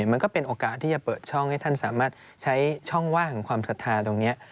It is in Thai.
มันก็เป็นโอกาสที่จะเปิดช่องให้ท่านสามารถใช้ช่องว่างของความศรัทธาตรงนี้